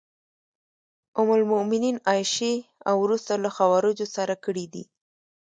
ام المومنین عایشې او وروسته له خوارجو سره کړي دي.